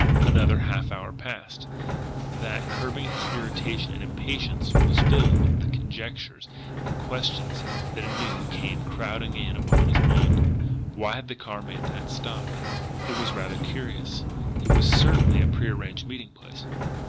Another half hour passed, that, curbing his irritation and impatience, was filled with the conjectures and questions that anew came crowding in upon his mind. Why had the car made that stop? It was rather curious. It was certainly a prearranged meeting place.